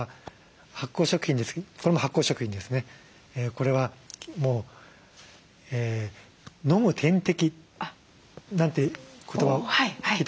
これはもう「飲む点滴」なんて言葉聞いたことありますか？